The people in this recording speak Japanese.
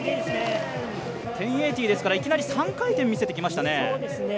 １０８０ですから、いきなり３回転見せてきましたね。